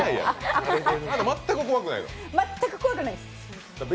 全く怖くないです。